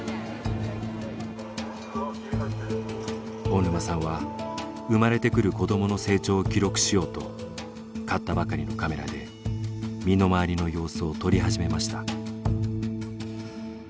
大沼さんは生まれてくる子どもの成長を記録しようと買ったばかりのカメラで身の回りの様子を撮り始めました。